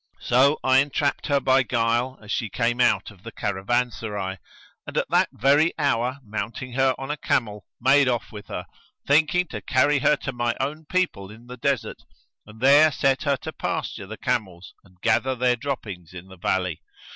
So I entrapped her by guile as she came out of the caravanserai; and at that very hour mounting her on a camel, made off with her, thinking to carry her to my own people in the Desert and there set her to pasture the camels and gather their droppings in the valley.